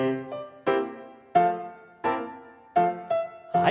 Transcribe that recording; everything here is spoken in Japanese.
はい。